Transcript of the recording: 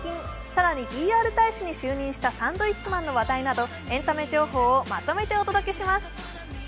更にＰＲ大使に就任したサンドウィッチマンの話題などエンタメ情報をまとめてお届けします。